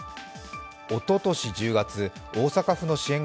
おととし１０月、大阪府の支援